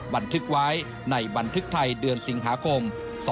บันทึกไว้ในบันทึกไทยเดือนสิงหาคม๒๕๖